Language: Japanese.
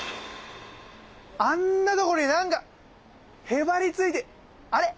あんなとこに何かへばりついてあれ